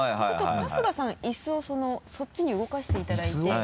ちょっと春日さん椅子をそっちに動かしていただいて。